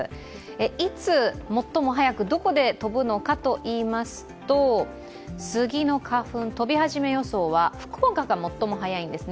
いつ、最も早く、どこで飛ぶのかといいますとスギの花粉、飛び始め予想は福岡が最も早いんですね。